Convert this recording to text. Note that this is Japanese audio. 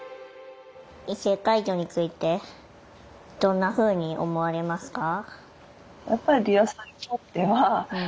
異性介助についてどんなふうに思われますか？